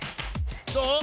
どう？